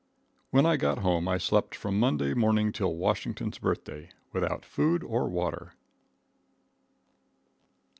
When I got home I slept from Monday morning till Washington's Birthday, without food or water.